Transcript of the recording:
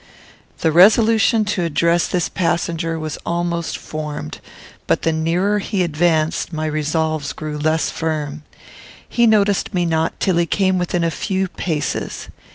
The resolution to address this passenger was almost formed; but the nearer he advanced my resolves grew less firm. He noticed me not till he came within a few paces.